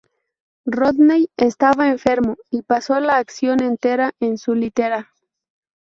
Rodney estaba enfermo y pasó la acción entera en su litera.